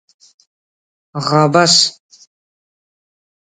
غا بس